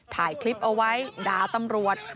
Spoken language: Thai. ถ่ายคลิปเอาไว้ด่าตำรวจ